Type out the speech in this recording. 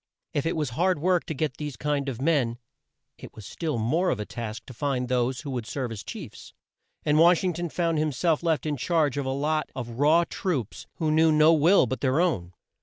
If it was hard work to get this kind of men, it was still more of a task to find those who would serve as chiefs, and Wash ing ton found him self left in charge of a lot of raw troops who knew no will but their own.